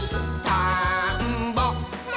「たんぼっ！」